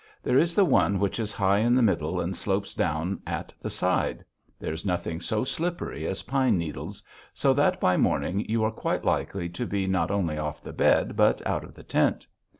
There is the one which is high in the middle and slopes down at the side there is nothing so slippery as pine needles so that by morning you are quite likely to be not only off the bed but out of the tent.